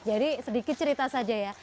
jadi sedikit cerita saja ya